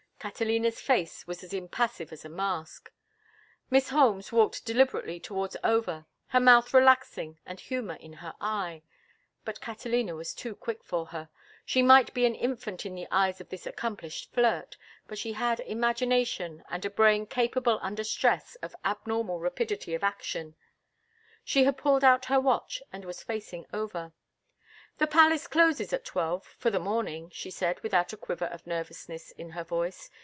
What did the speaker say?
Catalina's face was as impassive as a mask. Miss Holmes walked deliberately towards Over, her mouth relaxing and humor in her eye, but Catalina was too quick for her. She might be an infant in the eyes of this accomplished flirt, but she had imagination and a brain capable under stress of abnormal rapidity of action. She had pulled out her watch and was facing Over. "The palace closes at twelve—for the morning." she said, without a quiver of nervousness in her voice.